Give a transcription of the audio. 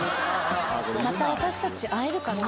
また私たち、会えるかな。